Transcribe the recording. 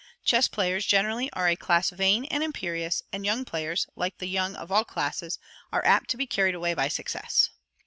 Chess players, generally, are a class vain and imperious; and young players, like the young of all classes, are apt to be carried away by success.